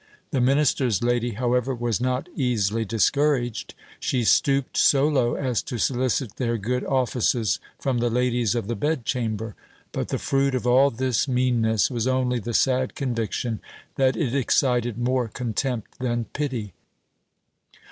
The minister's lady, however, was not easily discouraged : she stooped so low as to solicit their good offices from the ladies of the bed chamber ; but the fruit of all this meanness was only the sad conviction that it excited more contempt than pity.